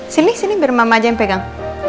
sini sini biar mama aja yang pegang